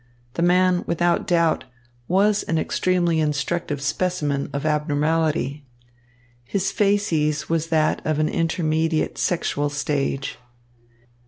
The man, without doubt, was an extremely instructive specimen of abnormality. His facies was that of an intermediate sexual stage.